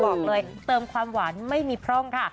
บอกเลยเติมความหวานไม่มีพร่องค่ะ